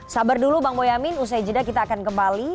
sabar dulu bang boyamin usai jeda kita akan kembali